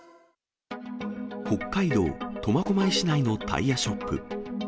北海道苫小牧市内のタイヤショップ。